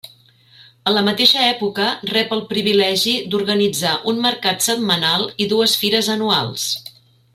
A la mateixa època rep el privilegi d'organitzar un mercat setmanal i dues fires anuals.